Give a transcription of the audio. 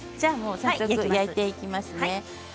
早速焼いていきますね。